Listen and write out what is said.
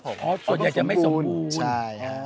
ชื่องนี้ชื่องนี้ชื่องนี้ชื่องนี้ชื่องนี้